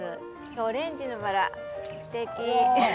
オレンジのバラ、すてき。